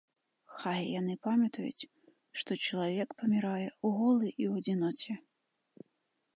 Хай яны памятаюць, што чалавек памірае голы і ў адзіноце.